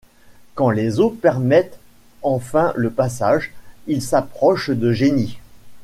Quand les eaux permettent enfin le passage, ils s’approchent de Gény.